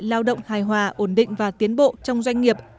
lao động hài hòa ổn định và tiến bộ trong doanh nghiệp